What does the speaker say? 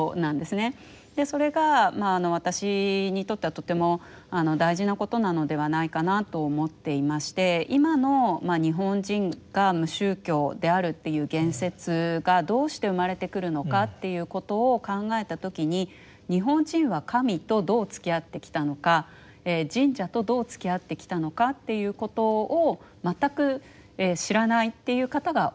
それが私にとってはとても大事なことなのではないかなと思っていまして今の日本人が無宗教であるっていう言説がどうして生まれてくるのかっていうことを考えた時に日本人は神とどうつきあってきたのか神社とどうつきあってきたのかっていうことを全く知らないっていう方が多いと。